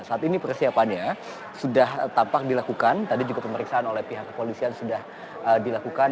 saat ini persiapannya sudah tampak dilakukan tadi juga pemeriksaan oleh pihak kepolisian sudah dilakukan